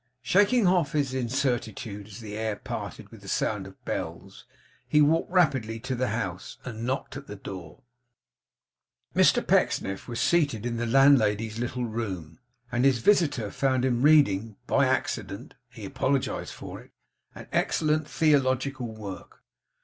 Shaking off his incertitude as the air parted with the sound of the bells, he walked rapidly to the house, and knocked at the door. Mr Pecksniff was seated in the landlady's little room, and his visitor found him reading by an accident; he apologised for it an excellent theological work.